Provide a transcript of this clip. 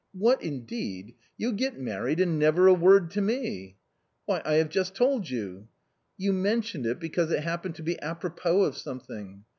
"What indeed? you get married and never a word to me!" " Why I have just told you." "You mentioned it because it happened to be apropos of something."